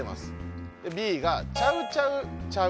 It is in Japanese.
Ｂが「チャウチャウちゃう」